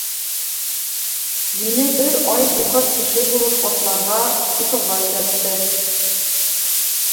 Мине бер ай һуҡыр кеше булып атларға, тоторға өйрәтте.